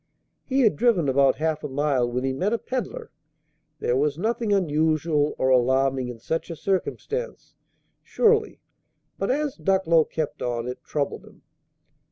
He had driven about half a mile, when he met a peddler. There was nothing unusual or alarming in such a circumstance, surely; but, as Ducklow kept on, it troubled him.